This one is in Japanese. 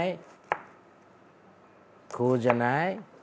こうじゃない？